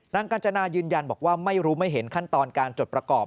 กัญจนายืนยันบอกว่าไม่รู้ไม่เห็นขั้นตอนการจดประกอบ